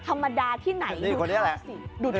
ธรรมดาที่ไหนดูสิ